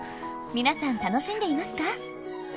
皆さん楽しんでいますか？